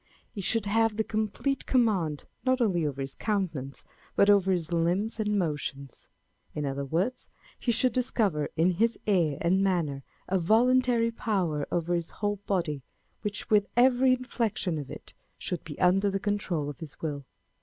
He should have the complete command, not only over his countenance, but over his limbs and motions. In other words, he should discover in his air and manner a voluntary power over his whole body, which with every inflection of it, should be under the control of his will.